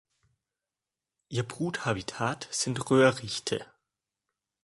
Ihr Bruthabitat sind Röhrichte.